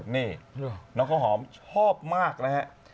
นี่น้องข้าวหอมชอบมากนะฮะ